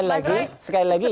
cuma sekali lagi